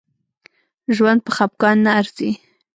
ژوند په خپګان نه ارزي